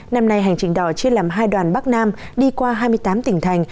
năm nay hành trình đỏ chia làm hai đoàn bắc nam đi qua hai mươi tám tỉnh thành